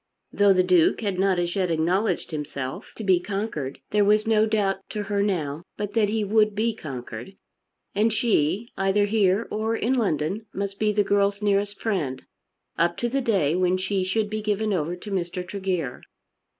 Though the Duke had not as yet acknowledged himself to be conquered, there was no doubt to her now but that he would be conquered. And she, either here or in London, must be the girl's nearest friend up to the day when she should be given over to Mr. Tregear.